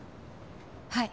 はい。